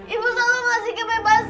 ibu selalu masih gemer bansa buat febri